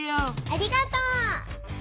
ありがとう！